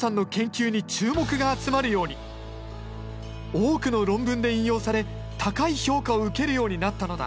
多くの論文で引用され高い評価を受けるようになったのだ。